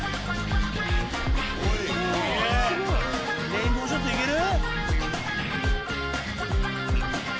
レインボーショット行ける？